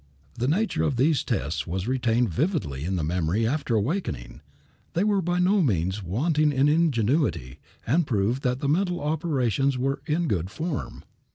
The nature of these tests was retained vividly in the memory after waking. They were by no means wanting in ingenuity, and proved that the mental operations were in good form."